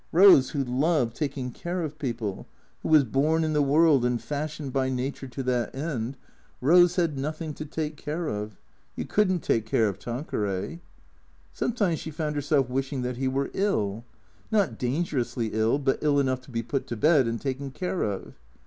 Eose, who loved taking care of people, who was born in the world and fashioned by Na ture to that end, Eose had nothing to take care of. You could n't take care of Tanqueray. Sometimes she found herself wishing that he were ill. Not dangerously ill, but ill enough to be put to bed and taken care of.